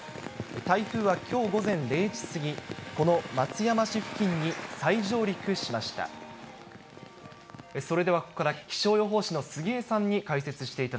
台風はきょう午前０時過ぎ、この松山市付近に再上陸しました。